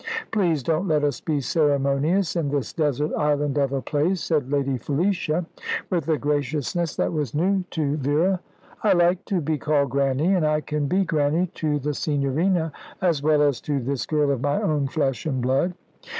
"Please don't let us be ceremonious in this desert island of a place," said Lady Felicia, with a graciousness that was new to Vera. "I like to be called Grannie, and I can be Grannie to the Signorina as well as to this girl of my own flesh and blood.